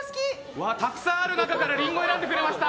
うわ、たくさんある中からリンゴを選んでくれました。